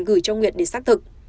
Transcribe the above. gửi cho nguyệt để xác thực